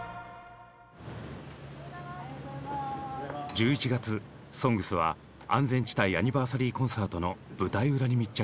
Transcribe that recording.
１１月「ＳＯＮＧＳ」は安全地帯アニバーサリーコンサートの舞台裏に密着。